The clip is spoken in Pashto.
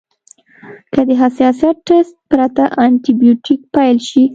که د حساسیت ټسټ پرته انټي بیوټیک پیل شي.